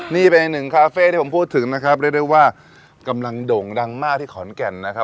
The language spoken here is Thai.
นี่เป็นอีกหนึ่งคาเฟ่ที่ผมพูดถึงนะครับเรียกได้ว่ากำลังโด่งดังมากที่ขอนแก่นนะครับ